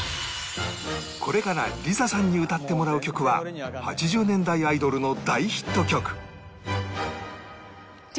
これからリザさんに歌ってもらう曲は８０年代アイドルの大ヒット曲